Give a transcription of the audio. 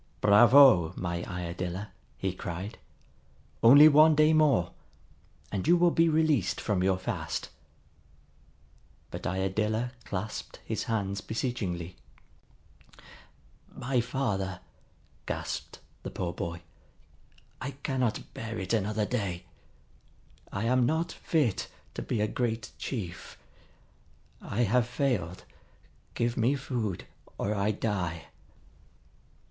"Bravo, my Iadilla!" he cried. "Only one day more, and you will be released from your fast." But Iadilla clasped his hands beseechingly. "My father," gasped the poor boy. "I cannot bear it another day. I am not fit to be a great chief. I have failed. Give me food, or I die!"